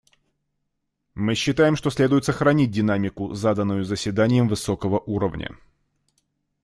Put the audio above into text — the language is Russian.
Мы считаем, что следует сохранить динамику, заданную Заседанием высокого уровня.